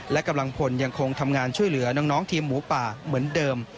และกำลังพลยังคงทำงานช่วยเหลือน้องทีมหมูป่าเหมือนเดิม